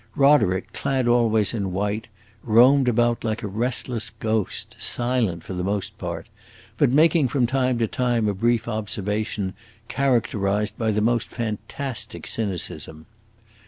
Roderick, clad always in white, roamed about like a restless ghost, silent for the most part, but making from time to time a brief observation, characterized by the most fantastic cynicism.